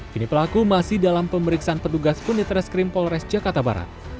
kini pelaku masih dalam pemeriksaan pedugas penitreskrim polores jakarta barat